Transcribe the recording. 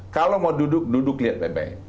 kalau mau duduk duduk lihat bebek